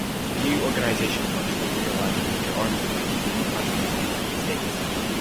The new organization functionally realigned the major Army commands in the continental United States.